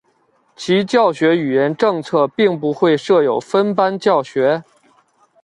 其教学语言政策并不会设有分班教学。